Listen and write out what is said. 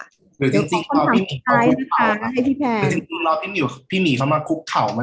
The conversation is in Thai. หรือจริงพี่หนีเข้ามาคุกเข่ามัน